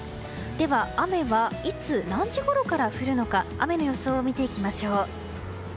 では雨はいつ何時ごろから降るのか雨の予想を見ていきましょう。